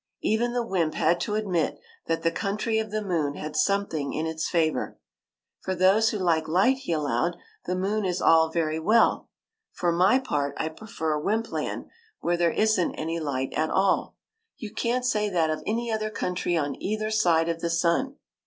Even the wymp had to admit that the coun try of the moon had something in its favour. '' For those who like light," he allowed, *' the moon is all very well. For my part, I prefer WENT TO THE MOON i8i Wympland, where there is n't any light at all. You can't say that of any other country on either side of the sun